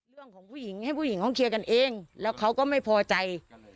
เรื่องของผู้หญิงให้ผู้หญิงเขาเคลียร์กันเองแล้วเขาก็ไม่พอใจ